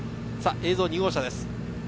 映像は２号車です。